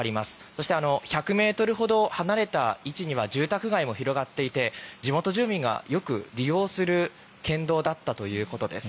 そして１００ｍほど離れた位置には住宅街も広がっていて地元住民がよく利用する県道だったということです。